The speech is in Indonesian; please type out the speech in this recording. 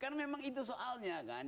kan memang itu soalnya kan